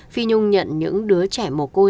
phi nhung nhận những đứa trẻ mồ côi